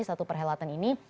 satu perhelatan ini